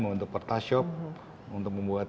untuk pertashop untuk membuat